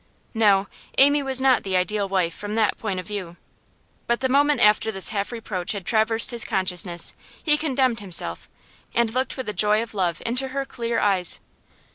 No, Amy was not the ideal wife from that point of view. But the moment after this half reproach had traversed his consciousness he condemned himself; and looked with the joy of love into her clear eyes.